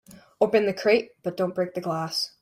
Open the crate but don't break the glass.